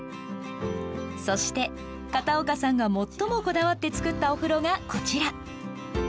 そして、片岡さんが最もこだわって作ったお風呂がこちら。